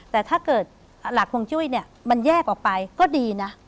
แต่ถ้าเกิดหลักห่วงจุ้ยเนี่ยมันแยกออกไปก็ดีนะ